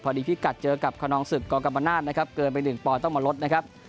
พอดีพิกัดเจอกับคณองศึกโกรกรมนาสต์นะครับเกินไปหนึ่งปอนด์ต้องมาลดนะครับ